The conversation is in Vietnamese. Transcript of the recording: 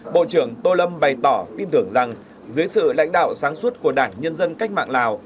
bộ trưởng tô lâm bày tỏ tin tưởng rằng dưới sự lãnh đạo sáng suốt của đảng nhân dân cách mạng lào